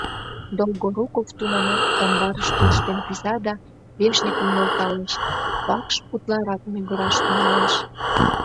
Долгоруков тунамак амбарыш тӧрштен кӱза да вешньыкым нӧлталеш: вакш утларак мӱгыраш тӱҥалеш.